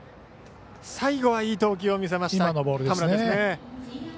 最後はいい投球を見せました田村ですね。